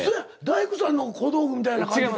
大工さんの小道具みたいな感じ。